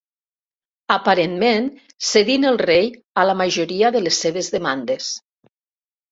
Aparentment cedint el rei a la majoria de les seves demandes.